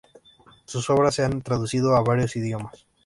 Sus obras se han traducido a varios idiomas.